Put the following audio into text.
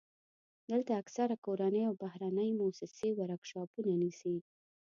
دلته اکثره کورنۍ او بهرنۍ موسسې ورکشاپونه نیسي.